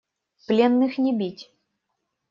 Пленных не бить!